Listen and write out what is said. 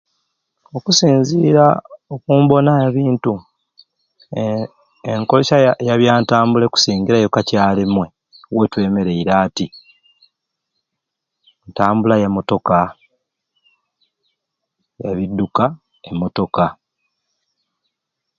Okusinziira okumbona ya bintu ee enkolesya eya eya byantambula ekusingirayo kacaalumwe wetwemereire ati ntambula ya motoka ebidduka e motoka